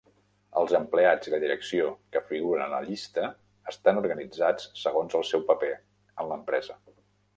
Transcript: Els empleats i la direcció que figuren a la llista estan organitzats segons el seu paper en l'empresa.